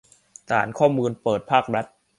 ฐานข้อมูลเปิดภาครัฐ